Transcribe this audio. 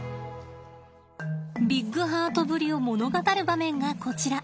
ビッグハートぶりを物語る場面がこちら。